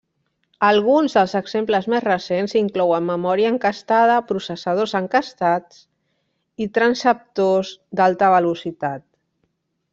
Alguns dels exemples més recents inclouen memòria encastada, processadors encastats, i transceptors d'alta velocitat.